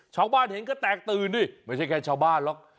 ชาวบ้านเห็นก็แตกตื่นดิไม่ใช่แค่ชาวบ้านหรอก